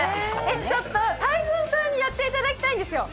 ちょっと泰造さんにやっていただきたいんですよ。